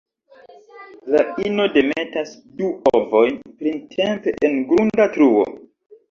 La ino demetas du ovojn printempe en grunda truo.